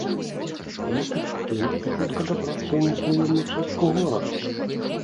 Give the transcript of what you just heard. Як эфектыўна і хутка дабрацца ў незнаёмую частку горада?